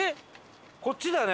こっちだね。